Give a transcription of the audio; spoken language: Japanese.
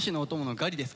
ガリです。